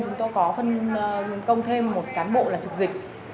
chúng tôi có phân công thêm một cán bộ là trực dịch